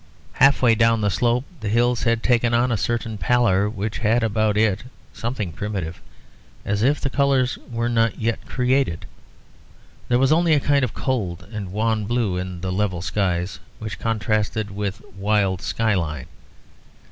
Halfway down the slope the hills had taken on a certain pallor which had about it something primitive, as if the colours were not yet created. There was only a kind of cold and wan blue in the level skies which contrasted with wild sky line.